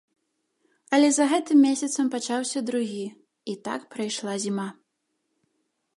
Але за гэтым месяцам пачаўся другі, і так прайшла зіма.